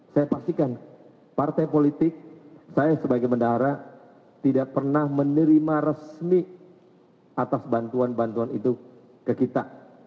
saya pastikan partai politik saya sebagai bendahara tidak pernah menerima resmi atas bantuan bantuan itu ke kita